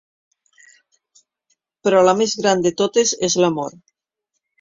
Però la més gran de totes és l'amor.